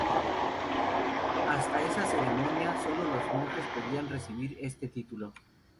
Hasta esta ceremonia solo los monjes podían recibir este título.